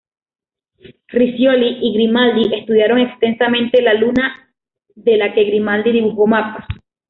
Riccioli y Grimaldi estudiaron extensamente la luna, de la que Grimaldi dibujó mapas.